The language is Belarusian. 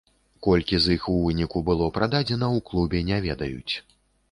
Колькі з іх у выніку было прададзена, у клубе не ведаюць.